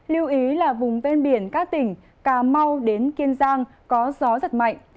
lưu ý là vùng ven biển các tỉnh cà mau đến kiên giang có gió giật mạnh